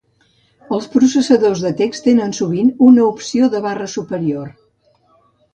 Els processadors de text tenen sovint una opció de barra superior.